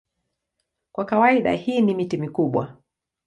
Kwa kawaida hii ni miti mikubwa.